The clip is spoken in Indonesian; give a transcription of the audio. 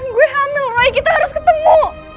gue hamil way kita harus ketemu